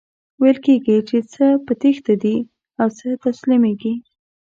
ویل کیږي چی څه په تیښته دي او څه تسلیمیږي.